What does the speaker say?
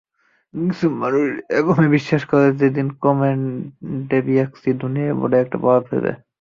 কিছু মানুষ এখনও বিশ্বাস করে সেদিন কমেট ডেবিয়্যাস্কি দুনিয়ায় বড় একটা প্রভাব ফেলবে!